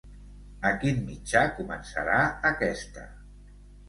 A quin mitjà començarà aquesta?